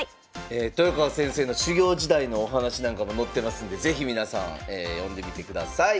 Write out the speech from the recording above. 豊川先生の修業時代のお話なんかも載ってますんで是非皆さん読んでみてください。